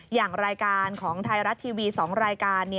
อย่างรายการของไทยรัฐทีวี๒รายการ